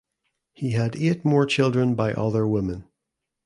He had eight more children by other women.